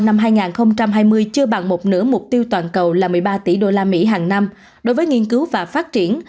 năm hai nghìn hai mươi chưa bằng một nửa mục tiêu toàn cầu là một mươi ba tỷ usd hàng năm đối với nghiên cứu và phát triển